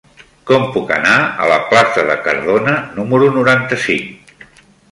Com puc anar a la plaça de Cardona número noranta-cinc?